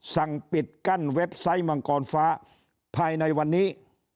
สั่งปิดกั้นเว็บไซต์มังกรฟ้าภายในวันนี้